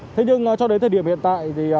thế nhưng cho đến thời điểm hiện tại